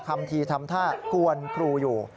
ทำทีทำท่ากวนครูอยู่